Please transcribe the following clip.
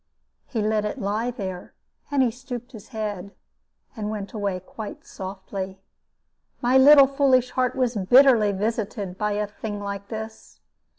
He let it lie there, and he stooped his head, and went away quite softly. My little foolish heart was bitterly visited by a thing like this.